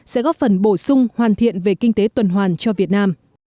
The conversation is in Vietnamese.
sẽ góp phần bổ sung hoàn thiện về kinh tế tuần hoàn cho việt nam